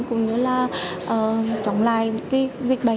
cũng như là chống lại dịch bệnh